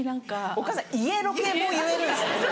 お母さん「家ロケ」も言えるんですね